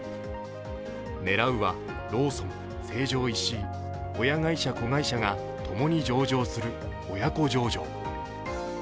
狙うは、ローソン・成城石井親会社、子会社がともに上場する親子上場。